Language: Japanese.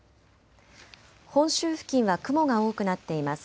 本州付近は雲が多くなっています。